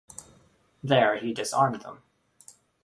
There he disarmed them.